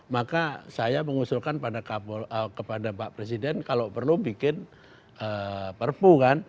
maka saya mengusulkan kepada pak presiden kalau perlu bikin perpu kan